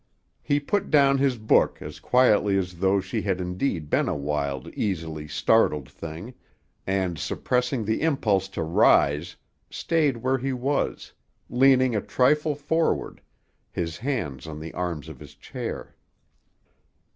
He put down his book as quietly as though she had indeed been a wild, easily startled thing, and, suppressing the impulse to rise, stayed where he was, leaning a trifle forward, his hands on the arms of his chair.